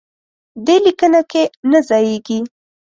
دې لیکنه کې نه ځایېږي.